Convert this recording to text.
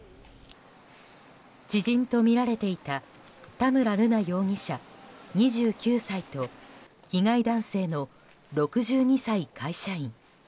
知人とみられていた田村瑠奈容疑者、２９歳と被害男性の６２歳会社員。